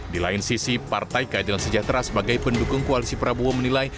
di lain sisi partai keadilan sejahtera sebagai pendukung koalisi prabowo menilai